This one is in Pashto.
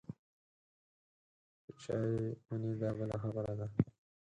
په چا یې منې دا بله خبره ده.